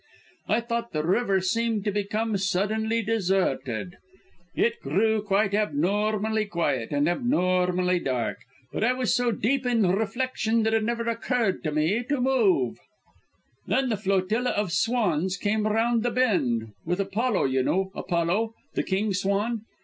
I thought the river seemed to become suddenly deserted; it grew quite abnormally quiet and abnormally dark. But I was so deep in reflection that it never occurred to me to move. "Then the flotilla of swans came round the bend, with Apollo you know Apollo, the king swan?